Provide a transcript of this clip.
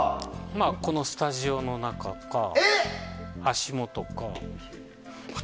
このスタジオの中か、足元か。